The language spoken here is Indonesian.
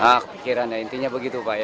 ya kepikiran intinya begitu pak ya